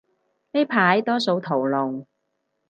呢排多數屠龍